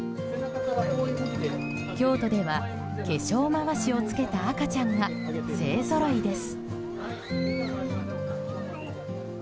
京都では、化粧回しを着けた赤ちゃんが勢ぞろいです。